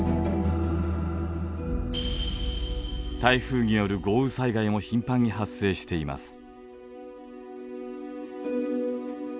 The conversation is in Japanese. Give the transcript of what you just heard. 台風による豪雨災害も頻繁に発生しています。